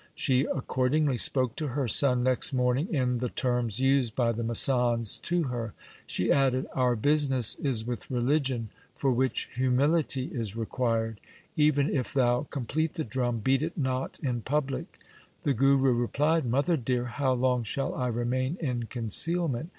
She accordingly spoke to her son next morning in the terms used by the masands to her. She added, ' Our business is with religion, for which humility is required. Even if thou com plete the drum, beat it not in public' The Guru replied, ' Mother dear, how long shall I remain in concealment